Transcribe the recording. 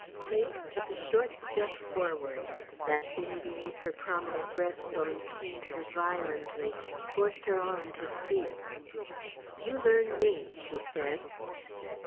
Cake took a short step forward. That thing beneath her prominent breastbone pained her violently, forced her on to speak. "You learn me," she said.